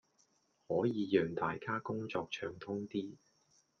可以讓大家工作暢通啲